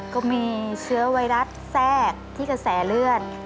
ก็มีเชื้อไวรัสแทรกที่กระแสเลือด